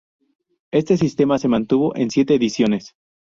Este sistema se mantuvo en siete ediciones.